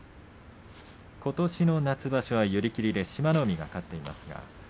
ことしの夏場所は寄り切りで志摩ノ海が勝っています。